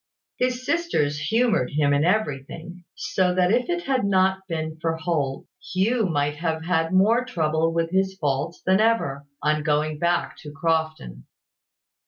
His sisters humoured him in everything: so that if it had not been for Holt, Hugh might have had more trouble with his faults than ever, on going back to Crofton.